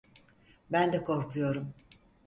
Ben de korkuyorum.